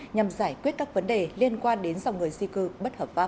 nhằm giải quyết các vấn đề liên quan đến dòng người di cư bất hợp pháp